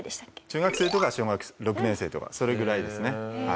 中学生とか小学６年生とかそれぐらいですね。